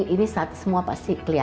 ini semua pasti